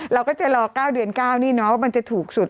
เราก็จะรอ๙เดือน๙นี่เนาะว่ามันจะถูกสุด